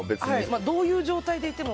どういう状態でいても。